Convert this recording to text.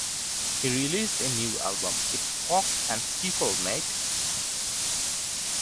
He released a new album, It's Folk 'n' Skiffle, Mate!